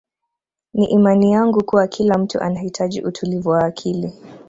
Ni imani yangu kuwa kila mtu anahitaji utulivu wa akili